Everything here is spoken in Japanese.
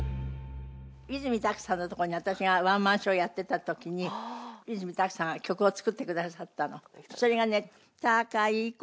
いずみたくさんのとこに私がワンマンショーをやってた時にいずみたくさんが曲を作ってくださったの。